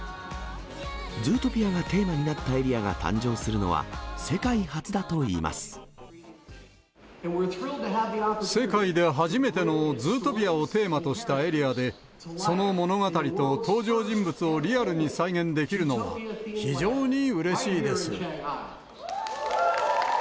ズートピアがテーマになったエリアが誕生するのは、世界初だとい世界で初めてのズートピアをテーマとしたエリアで、その物語と登場人物をリアルに再現できるのは、非常にうれしいです。